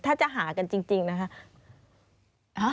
ถ้าจะหากันจริงนะคะ